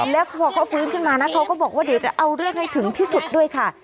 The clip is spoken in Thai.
แล้วพอเขาฟื้นขึ้นมานะเขาก็บอกว่าเดี๋ยวจะเอาเรื่องให้ถึงที่สุดด้วยค่ะ